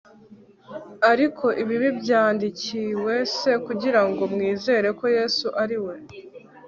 ariko ibi byandikiwe c kugira ngo mwizere ko yesu ari we